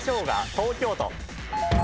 東京都。